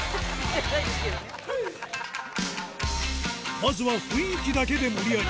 まずは雰囲気だけで盛り上げ